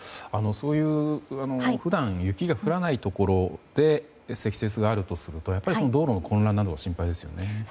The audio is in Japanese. そういう普段、雪が降らないところで積雪があるとすると道路の混乱などが心配ですね。